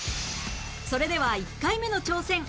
それでは１回目の挑戦